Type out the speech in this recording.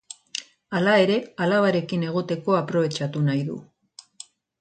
Hala ere, alabarekin egoteko aprobetxatu nahi du.